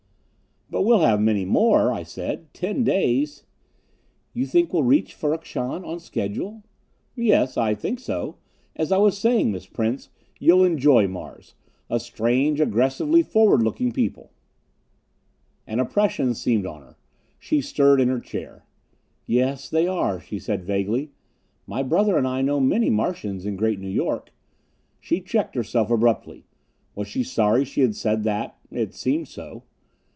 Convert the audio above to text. "But we'll have many more," I said. "Ten days " "You think we'll reach Ferrok Shahn on schedule?" "Yes. I think so.... As I was saying, Miss Prince, you'll enjoy Mars. A strange, aggressively forward looking people." An oppression seemed on her. She stirred in her chair. "Yes, they are," she said vaguely. "My brother and I know many Martians in Great New York." She checked herself abruptly. Was she sorry she had said that? It seemed so.